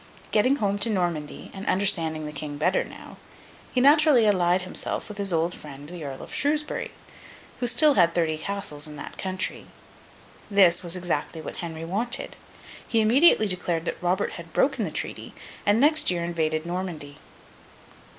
Getting home to Normandy, and understanding the King better now, he naturally allied himself with his old friend the Earl of Shrewsbury, who had still thirty castles in that country. This was exactly what Henry wanted. He immediately declared that Robert had broken the treaty, and next year invaded Normandy.